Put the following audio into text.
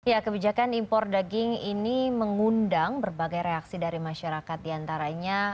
ya kebijakan impor daging ini mengundang berbagai reaksi dari masyarakat diantaranya